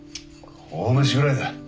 大飯食らいだ。